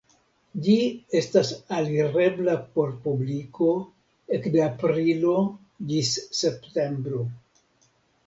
Ĝi estas alirebla por publiko ekde aprilo ĝis septembro.